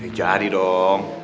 eh jadi dong